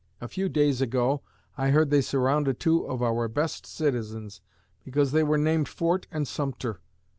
A few days ago I heard they surrounded two of our best citizens because they were named Fort and Sumter.